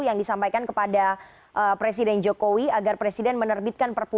yang disampaikan kepada presiden jokowi agar presiden menerbitkan perpu